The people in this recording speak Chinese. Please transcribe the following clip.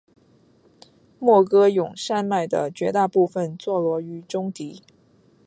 莫戈永山脉的绝大部分坐落于中的。